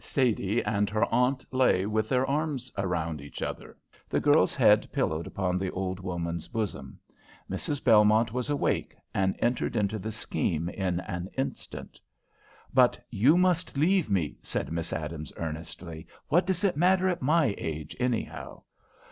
Sadie and her aunt lay with their arms round each other, the girl's head pillowed upon the old woman's bosom. Mrs. Belmont was awake, and entered into the scheme in an instant. "But you must leave me," said Miss Adams, earnestly. "What does it matter at my age, anyhow?"